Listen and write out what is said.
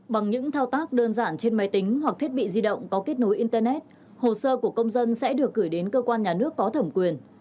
bằng những thao tác đơn giản trên máy tính hoặc thiết bị di động có kết nối internet hồ sơ của công dân sẽ được gửi đến cơ quan nhà nước có thẩm quyền